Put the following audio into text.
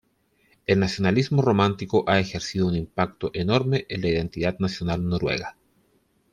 El nacionalismo romántico ha ejercido un impacto enorme en la identidad nacional noruega.